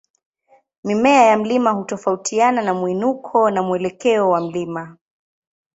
Mimea ya mlima hutofautiana na mwinuko na mwelekeo wa mlima.